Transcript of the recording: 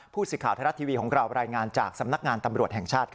ผู้สื่อข่าวไทยรัฐทีวีของเรารายงานจากสำนักงานตำรวจแห่งชาติ